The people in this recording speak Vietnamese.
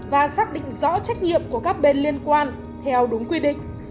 và xác định rõ trách nhiệm của các bên liên quan theo đúng quy định